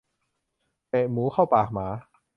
เตะหมูเข้าปากหมา